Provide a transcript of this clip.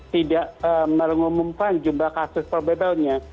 tidak mengumumkan jumlah kasus probable nya